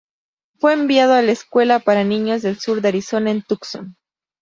Fue enviado a la Escuela para Niños del Sur de Arizona en Tucson.